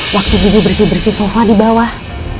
waktu ibu bersih bersih sofa di bawah